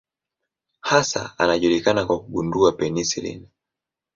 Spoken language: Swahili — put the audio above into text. Hasa anajulikana kwa kugundua penisilini.